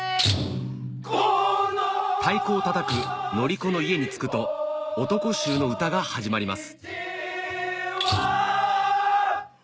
太鼓をたたく乗り子の家に着くと男衆の唄が始まります